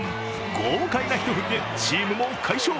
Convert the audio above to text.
豪快な一振りでチームも快勝。